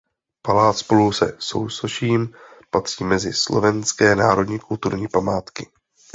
Palác spolu se sousoším patří mezi slovenské národní kulturní památky.